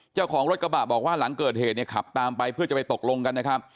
เจ้าของรถกระบะบอกว่าหลังเกิดเหตุเนี่ยขับตามไปเพื่อจะไปตกลงกันนะครับ